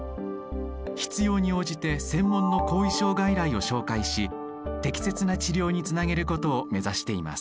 必要に応じて専門の後遺症外来を紹介し適切な治療につなげることを目指しています。